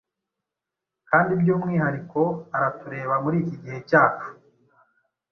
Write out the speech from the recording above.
kandi by’umwihariko aratureba muri iki gihe cyacu.